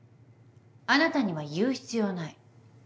あなたには言う必要ない。